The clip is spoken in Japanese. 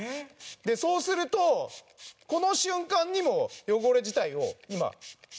そうするとこの瞬間にも汚れ自体を今浮かしてます。